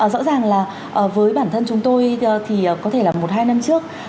rõ ràng là với bản thân chúng tôi thì có thể là một hai năm trước